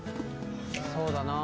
そうだな